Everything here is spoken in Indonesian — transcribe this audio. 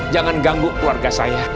jangan ganggu keluarga saya